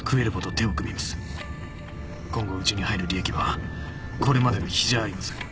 今後うちに入る利益はこれまでの比じゃありません。